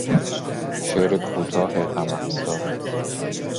شعر کوتاه غم افزا